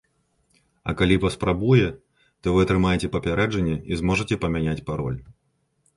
А калі паспрабуе, то вы атрымаеце папярэджанне і зможаце памяняць пароль.